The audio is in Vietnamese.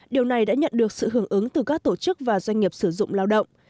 điều này đã nhận được sự hưởng ứng từ các tổ chức và doanh nghiệp sử dụng lao động